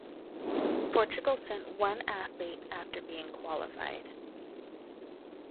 Portugal sent one athlete after being qualified.